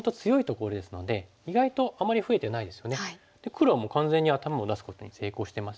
黒はもう完全に頭を出すことに成功してますよね。